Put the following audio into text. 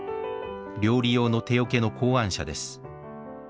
料理用の手桶の考案者です。